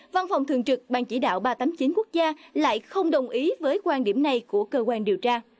văn phòng thường trực ban chỉ đạo ba trăm tám mươi chín quốc gia lại không đồng ý với quan điểm này của cơ quan điều tra